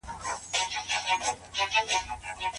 که تاسي غواړئ چي پښتو زده کړئ، نو کتابونه ډېر لولئ